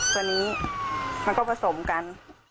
ตัวนี้มันก็ผสมกัน